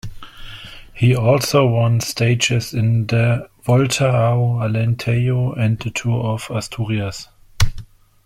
He also won stages in the Volta ao Alentejo and the Tour of Asturias.